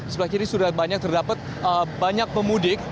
sebelah kiri sudah banyak terdapat banyak pemudik